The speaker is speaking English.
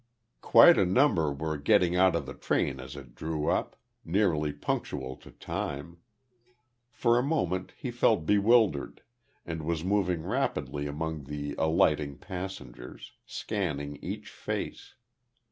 Quite a number were getting out of the train as it drew up, nearly punctual to time. For a moment he felt bewildered, and was moving rapidly among the alighting passengers, scanning each face.